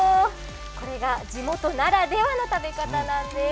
これが地元ならではの食べ方なんです。